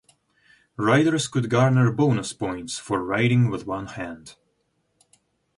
Riders could garner bonus points for riding with one hand.